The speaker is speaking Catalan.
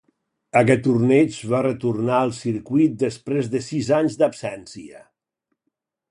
Aquest torneig va retornar al circuit després de sis anys d'absència.